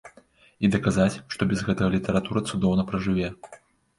І даказаць, што без гэтага літаратура цудоўна пражыве.